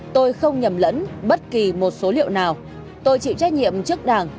tôi không nhầm lẫn bất kỳ một số liệu nào tôi chịu trách nhiệm trước đảng